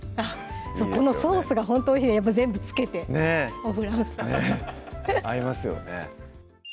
そうこのソースがほんとおいしいので全部付けてねっ合いますよね